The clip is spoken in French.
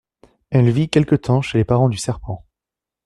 Elle vit quelque temps chez les parents du serpent.